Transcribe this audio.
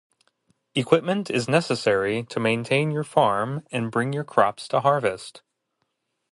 Equipment is necessary to maintain your farm and bring your crops to harvest.